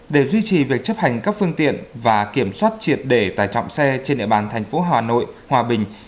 để duy trì việc chấp hành các phương tiện và kiểm soát triệt để tài trọng xe trên địa bàn thành phố hà nội hòa bình